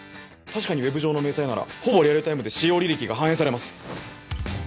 確かにウェブ上の明細ならほぼリアルタイムで使用履歴が反映されます。